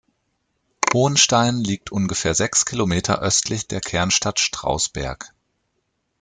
Hohenstein liegt ungefähr sechs Kilometer östlich der Kernstadt Strausberg.